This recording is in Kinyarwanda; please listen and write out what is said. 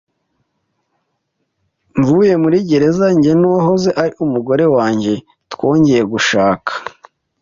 Mvuye muri gereza, jye n'uwahoze ari umugore wanjye twongeye gushaka.